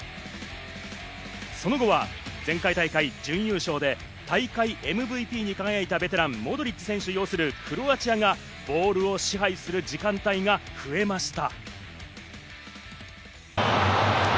その後は前回大会準優勝で大会ＭＶＰに輝いたベテラン、モドリッチ選手擁するクロアチアがボールを支配する時間帯が増えました。